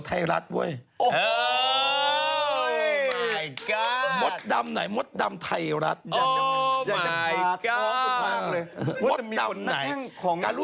เขาเรียกว่าสีเขียวไทยมีชาติ